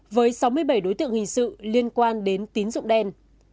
với sáu mươi bảy đối tượng hình sự liên quan đến tín dụng đen